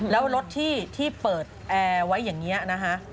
แล้วรถที่เปิดแอร์ไว้อย่างนี้นะคะ